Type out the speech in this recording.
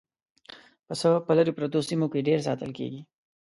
پسه په لرې پرتو سیمو کې ډېر ساتل کېږي.